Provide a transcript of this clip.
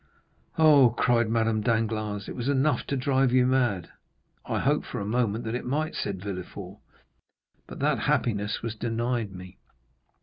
"Oh," cried Madame Danglars, "it was enough to drive you mad!" "I hoped for a moment that it might," said Villefort; "but that happiness was denied me.